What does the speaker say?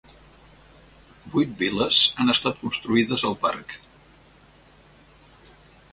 Vuit vil·les han estat construïdes al parc.